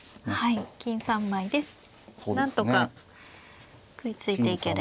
金３枚でなんとか食いついていければ。